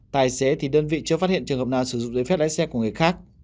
tài xế thì đơn vị chưa phát hiện trường hợp nào sử dụng giấy phép lái xe của người khác